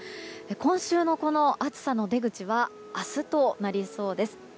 今週の暑さの出口は明日となりそうです。